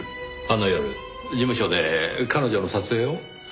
あの夜事務所で彼女の撮影を？